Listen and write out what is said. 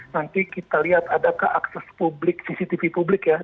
nanti kita lihat adakah akses publik cctv publik ya